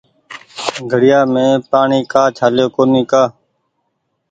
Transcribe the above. گھڙيآ مين پآڻيٚ ڪآ ڇآليو ڪونيٚ ڪآ